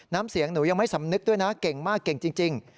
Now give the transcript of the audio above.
น้ำเสียงหนูยังไม่สำนึกด้วยนะเก่งมากเก่งจริง